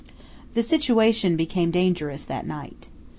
The situation became dangerous that night.